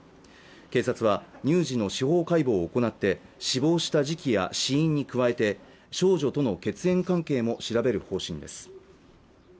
警察は乳児の司法解剖を行って死亡した時期や死因に加えて少女との血縁関係も調べる方針です